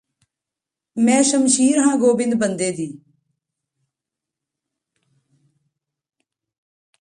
ਮੈਂ ਸ਼ਮਸ਼ੀਰ ਹਾਂ ਗੋਬਿੰਦ ਬੰਦੇ ਦੀ